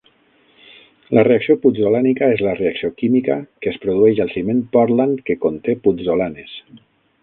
La reacció putzolànica és la reacció química que es produeix al ciment pòrtland que conté putzolanes.